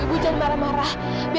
ibu jangan marah marah